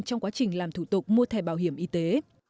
trong quá trình làm thủ tục mua thẻ bảo hiểm y tế